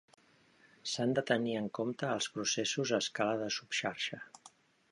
S'han de tenir en compte els processos a escala de subxarxa.